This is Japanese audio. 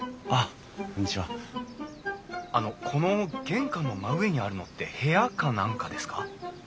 あのこの玄関の真上にあるのって部屋か何かですか？